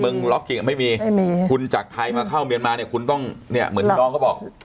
เมืองไม่มีไม่มีคุณจากไทยมาเข้าเมียนมาเนี้ยคุณต้องเนี้ยเหมือนน้องก็บอก